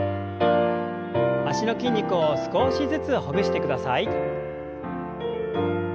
脚の筋肉を少しずつほぐしてください。